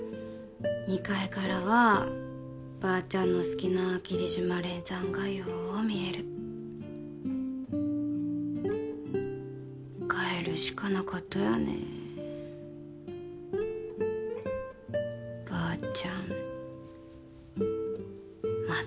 二階からはばーちゃんの好きな霧島連山がよう見える帰るしかなかとやねばーちゃん待っ